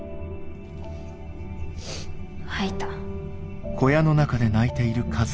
・吐いた。